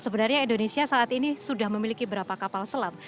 sebenarnya indonesia saat ini sudah memiliki berapa kapal selam